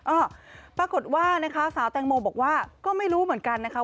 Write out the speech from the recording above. เออปรากฏว่านะคะสาวแตงโมบอกว่าก็ไม่รู้เหมือนกันนะคะ